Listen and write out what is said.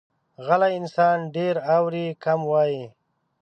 غلی انسان، ډېر اوري، کم وایي.